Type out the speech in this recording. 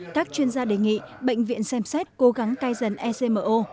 các chuyên gia đề nghị bệnh viện xem xét cố gắng cai dần ecmo